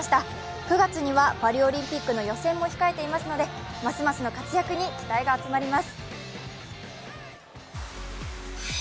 ９月にはパリオリンピックの予選も控えていますのでこの時間のニュースをお伝えします。